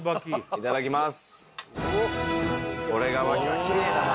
いただきます。